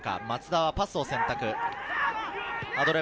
松田はパスを選択。